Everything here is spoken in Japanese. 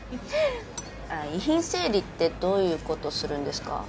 遺品整理ってどういう事するんですか？